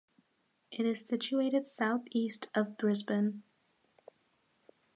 It is situated south-east of Brisbane.